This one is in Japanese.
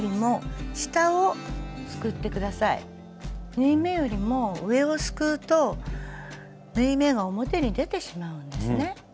縫い目よりも上をすくうと縫い目が表に出てしまうんですね。